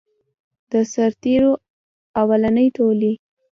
د سرتیرو اولنی ټولۍ.